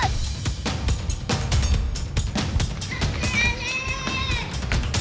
gue gak akan biarin lo bawa murti